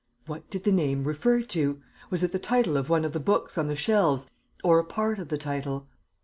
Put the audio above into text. What did the name refer to? Was it the title of one of the books on the shelves, or a part of the title?